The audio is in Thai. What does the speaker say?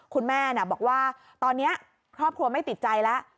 คุณแม่บอกว่าตอนนี้ครอบครัวไม่ติดใจแล้ว